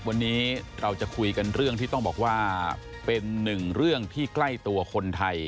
วันนี้เราจะคุยกันเรื่องที่ต้องบอกว่าเป็นหนึ่งเรื่องที่ใกล้ตัวคนไทย